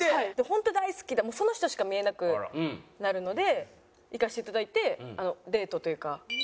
本当大好きその人しか見えなくなるので行かせていただいてデートというか。